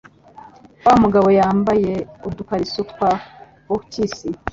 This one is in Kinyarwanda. Wa mugabo yambaye udukariso twa bokisi.